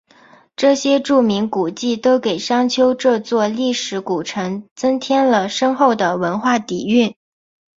这些著名古迹都给商丘这座历史古城增添了深厚的文化底蕴。